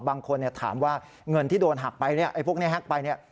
บางคนถามว่าเงินที่โดนหักไปพวกนี้หักไป